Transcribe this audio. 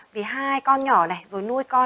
vì hai con nhỏ này rồi nuôi con